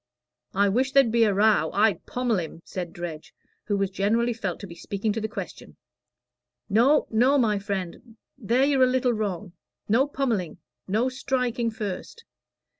"I wish there'd be a row I'd pommel him," said Dredge, who was generally felt to be speaking to the question. "No, no, my friend there you're a little wrong. No pommelling no striking first.